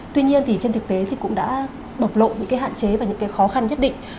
tuy nhiên thì trên thực tế thì cũng đã bộc lộ những cái hạn chế và những cái khó khăn nhất định